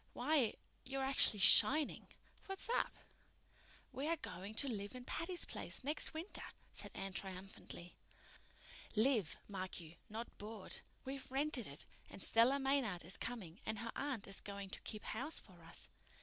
Why, you're actually shining! What's up?" "We are going to live in Patty's Place next winter," said Anne triumphantly. "Live, mark you, not board! We've rented it, and Stella Maynard is coming, and her aunt is going to keep house for us."